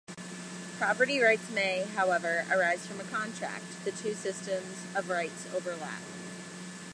Property rights may, however, arise from a contract; the two systems of rights overlap.